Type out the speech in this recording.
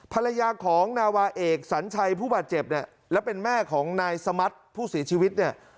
ภรรยาของนาวาเอกสัญชัยผู้บาดเจ็บเนี่ยและเป็นแม่ของนายสมัติผู้เสียชีวิตเนี่ย